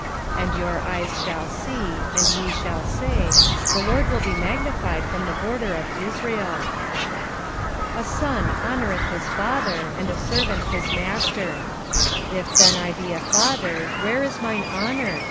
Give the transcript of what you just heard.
1:5 And your eyes shall see, and ye shall say, The LORD will be magnified from the border of Israel. 1:6 A son honoureth his father, and a servant his master: if then I be a father, where is mine honour?